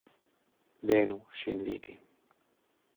Venu ŝin vidi.